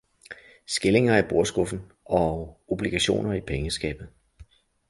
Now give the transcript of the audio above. Skillinger i bordskuffen og obligationer i pengeskabet.